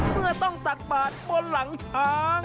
เมื่อต้องตักบาดบนหลังช้าง